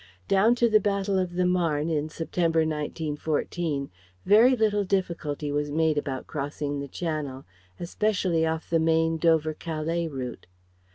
Down to the Battle of the Marne in September, 1914, very little difficulty was made about crossing the Channel, especially off the main Dover Calais route.